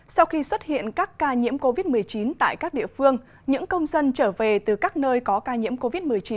sau khi xuất hiện các ca nhiễm covid một mươi chín tại các địa phương những công dân trở về từ các nơi có ca nhiễm covid một mươi chín